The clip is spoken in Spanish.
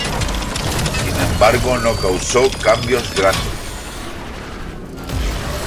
Sin embargo, no causó cambios grandes.